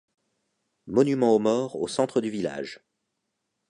Monument aux morts au centre du village.